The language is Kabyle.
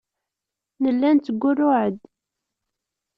Nella nettgurruɛ-d.